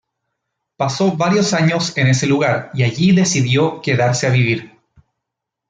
Pasó varios años en ese lugar y allí decidió quedarse a vivir.